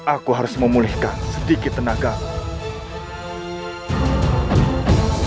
aku harus memulihkan sedikit tenagamu